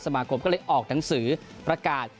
มาคมก็เลยออกหนังสือประกาศ